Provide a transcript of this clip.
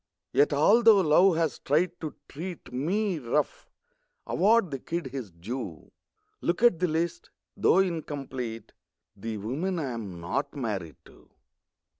Yet although Love has tried to treat Me rough, award the kid his due. Look at the list, though incomplete: The women I'm not married to.